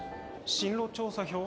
進路調査票？